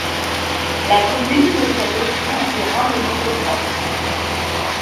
La commune possède aussi un terrain de moto-cross.